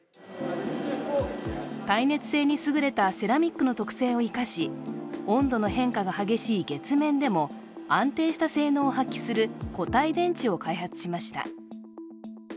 耐熱性にすぐれたセラミックの特性を生かし、温度の変化が激しい月面でも安定した性能を発揮する個体電池を開発しました。